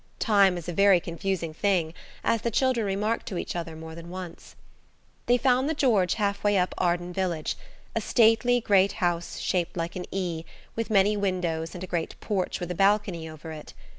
Time is a very confusing thing, as the children remarked to each other more than once. They found the "George" half way up Arden village, a stately, great house shaped like an E, with many windows and a great porch with a balcony over it.